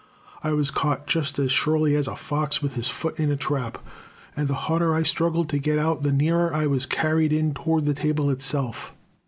I was caught just as surely as a fox with his foot in a trap, and the harder I struggled to get out the nearer I was carried in toward the table itself.